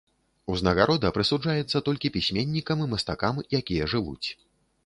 Узнагарода прысуджаецца толькі пісьменнікам і мастакам, якія жывуць.